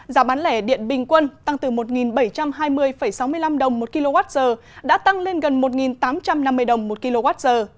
giá bán lẻ điện bình quân tăng từ một bảy trăm hai mươi sáu mươi năm đồng một kwh đã tăng lên gần một tám trăm năm mươi đồng một kwh